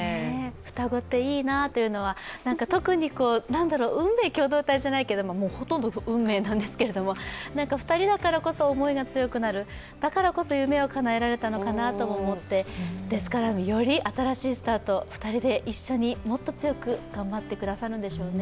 双子っていいなというのは、特に、運命共同体じゃないけどほとんど運命なんですけれど、２人だからこそ思いが強くなる、だからこそ夢をかなえられたのかなと思ってより新しいスタート、２人で一緒にもっと強く頑張ってくださるんでしょうね。